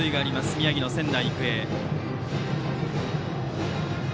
宮城の仙台育英。